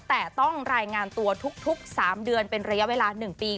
แต่ต้องรายงานตัวทุก๓เดือนเป็นระยะเวลา๑ปี